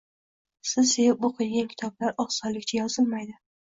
Siz sevib o‘qiydigan kitoblar osonlikcha yozilmaydi